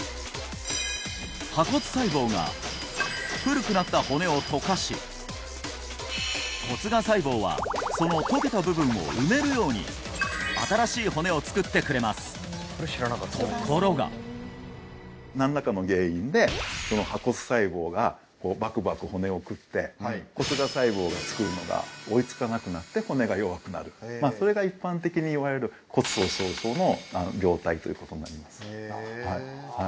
破骨細胞が古くなった骨を溶かし骨芽細胞はその溶けた部分を埋めるように新しい骨を作ってくれますところが何らかの原因で破骨細胞がバクバク骨を食って骨芽細胞が作るのが追いつかなくなって骨が弱くなるそれが一般的にいわれる骨粗しょう症の病態ということになります